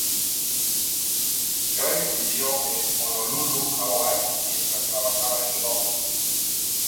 Grace vivió en Honolulu, Hawái mientras trabajaba en "Lost".